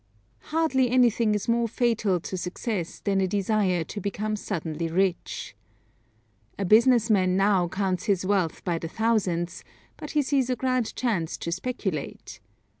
Hardly anything is more fatal to success than a desire to become suddenly rich. A business man now counts his wealth by the thousands, but he sees a grand chance to speculate.